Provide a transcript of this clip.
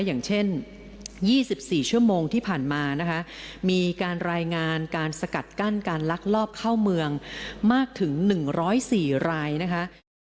อย่างเช่น๒๔ชั่วโมงที่ผ่านมานะคะมีการรายงานการสกัดกั้นการลักลอบเข้าเมืองมากถึง๑๐๔รายนะคะ